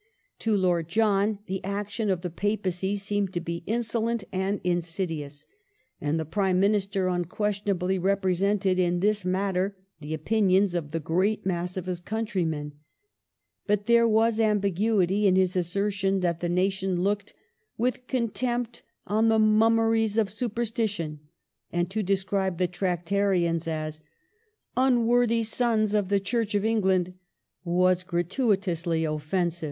To Lord John the action of the Papacy seemed to be " insolent and insidious "; and the Prime Minister unquestionably represented in this matter the opinions of the great mass of his countrymen. But there was ambiguity in his assertion that the nation looked " with contempt on the mummeries of superstition," and to describe the Tractarians " as unworthy sons of the Church of England " was gratuitously offensive.